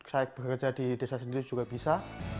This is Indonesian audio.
saya bekerja di desa sendiri juga bisa